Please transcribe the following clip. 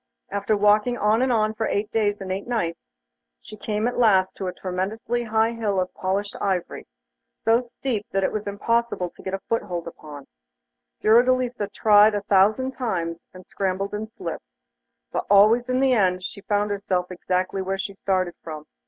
After walking on and on for eight days and eight nights, she came at last to a tremendously high hill of polished ivory, so steep that it was impossible to get a foothold upon it. Fiordelisa tried a thousand times, and scrambled and slipped, but always in the end found herself exactly where she started from.